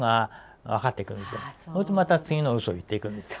そうするとまた次のうそを言っていくんです。